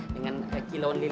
tapi ke lama